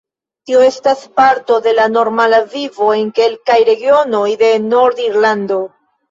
Tio estas parto de la normala vivo en kelkaj regionoj de Nord-Irlando.